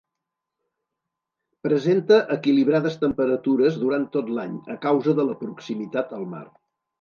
Presenta equilibrades temperatures durant tot l'any a causa de la proximitat al mar.